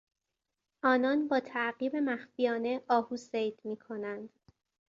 آنان با تعقیب مخفیانه آهو صید میکنند.